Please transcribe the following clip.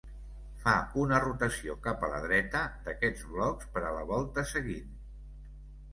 Fa una rotació cap a la dreta d'aquests blocs per a la volta seguint.